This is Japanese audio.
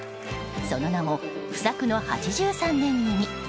その名も、不作の８３年組。